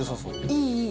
いい、いい。